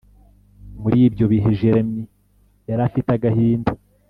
muri ibyo bihe jeremy yari afite agahinda